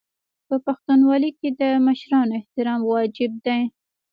په پښتونولۍ کې د مشرانو احترام واجب دی.